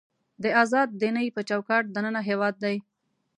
د ازاد دینۍ په چوکاټ دننه هېواد دی.